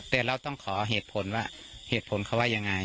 แต่เราต้องขอเหตุผลว่าเหตุผลเขาว่ายังไง